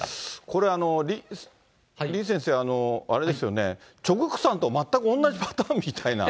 これ、李先生、あれですよね、チョ・グクさんと全く同じパターンみたいな。